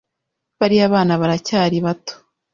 Bariya bana baracyari bato